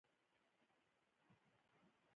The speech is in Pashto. د ژوند مخته وړل دومره سخت کار نه دی، هدف دې څه دی؟